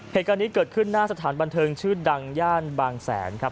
เหตุการณ์นี้เกิดขึ้นหน้าสถานบันเทิงชื่อดังย่านบางแสนครับ